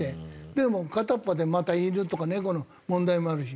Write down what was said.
でも片っぽでまた犬とか猫の問題もあるし。